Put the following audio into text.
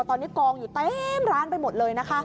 ตอนนี้กองอยู่เต็มร้านไปหมดเลยนะคะ